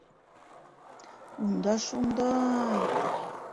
Унда шундай...